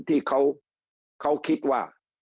ที่เขาคิดว่า